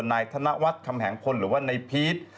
นายธนวัฒน์คำแหงพลหรือว่านายพีช